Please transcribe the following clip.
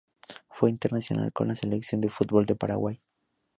Fue internacional con la selección de fútbol de Paraguay.